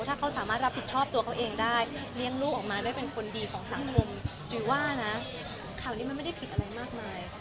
ถ้าเขาสามารถรับผิดชอบตัวเขาเองได้เลี้ยงลูกออกมาได้เป็นคนดีของสังคมจุ๋ยว่านะข่าวนี้มันไม่ได้ผิดอะไรมากมาย